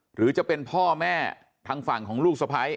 หรือจะเป็นพ่อแม่ทางฝั่งของลูกสะพ้าย